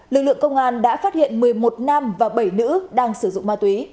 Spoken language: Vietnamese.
lực lượng công an đã phát hiện một mươi một nam và bảy nữ đang sử dụng ma túy